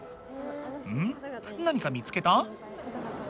何か見つけた？